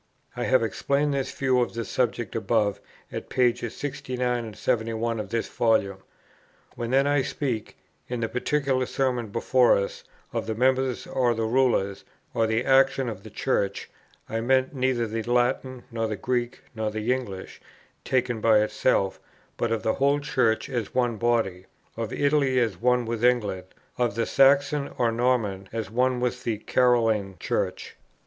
I have explained this view of the subject above at pp. 69 71 of this Volume. When then I speak, in the particular Sermon before us, of the members, or the rulers, or the action of "the Church," I mean neither the Latin, nor the Greek, nor the English, taken by itself, but of the whole Church as one body: of Italy as one with England, of the Saxon or Norman as one with the Caroline Church.